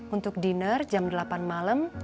untuk dinner jam delapan malam